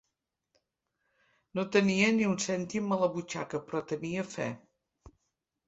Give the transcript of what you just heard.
No tenia ni un cèntim a la butxaca, però tenia fe.